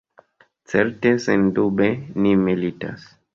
Certe, sendube, ni militas.